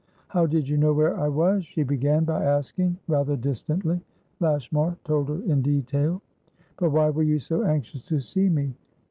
"How did you know where I was?" she began by asking, rather distantly. Lashmar told her in detail. "But why were you so anxious to see me?